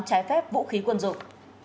trái phép vũ khí quân dụng